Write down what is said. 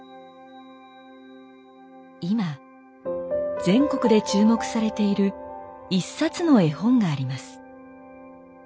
今全国で注目されている一冊の絵本があります。